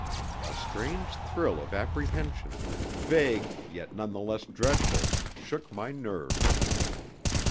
A strange thrill of apprehension, vague, yet none the less dreadful, shook my nerves.